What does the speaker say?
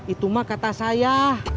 itu mah kata saya